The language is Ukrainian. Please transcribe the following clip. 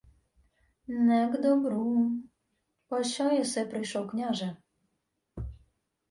— Не к добру... Пощо єси прийшов, княже?